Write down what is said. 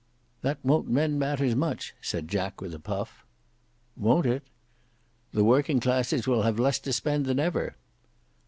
"That won't mend matters much," said Jack with a puff. "Won't it?" "The working classes will have less to spend than ever."